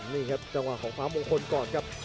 นี่ครับจังหวะของฟ้ามงคลก่อนครับ